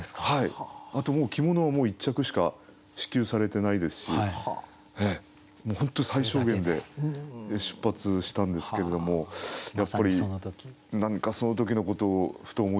あともう着物はもう１着しか支給されてないですしもう本当に最小限で出発したんですけれどもやっぱり何かその時のことをふと思い出しましたね。